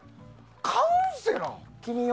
カウンセラー？